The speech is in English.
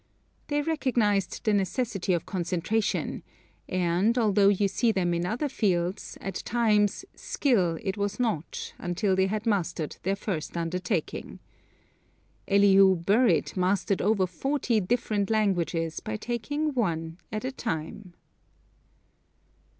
They recognized the necessity of concentration; and, although you see them in other fields, at times, still it was not until they had mastered their first undertaking. Elihu Burritt mastered over forty different languages by taking one at a time.